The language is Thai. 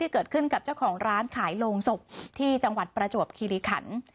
เกิดขึ้นกับเจ้าของร้านขายโรงศพที่จังหวัดประจวบคิริขัน